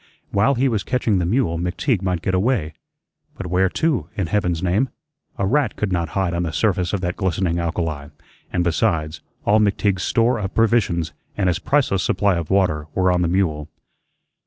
While he was catching the mule McTeague might get away. But where to, in heaven's name? A rat could not hide on the surface of that glistening alkali, and besides, all McTeague's store of provisions and his priceless supply of water were on the mule.